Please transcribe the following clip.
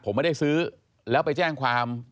ผมไม่ได้ซื้อแล้วไปแจ้งความ